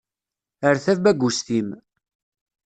Err tabagust-im.